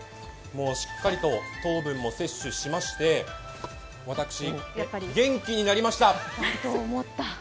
しっかりと糖分も摂取しまして、私、元気になりました！